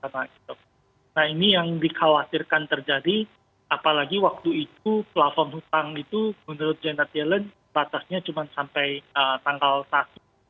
nah ini yang dikhawatirkan terjadi apalagi waktu itu platform hutang itu menurut janet yellen batasnya cuma sampai tanggal sakit